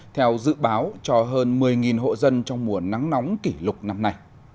theo dự báo cho hơn một mươi hộ dân trong mùa nắng nóng kỷ lục năm nay